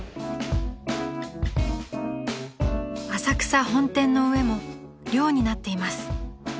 ［浅草本店の上も寮になっています］